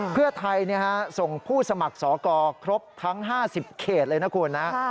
เพื่อไทยส่งผู้สมัครสอกรครบทั้ง๕๐เขตเลยนะคุณนะ